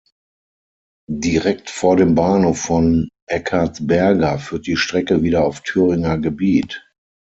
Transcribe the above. Direkt vor dem Bahnhof von Eckartsberga führt die Strecke wieder auf Thüringer Gebiet.